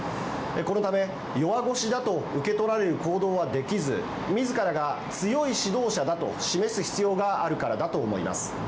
このため弱腰だと受け取られる行動はできずみずからが強い指導者だと示す必要があるからだと思います。